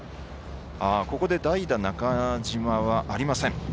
代打中島はありません。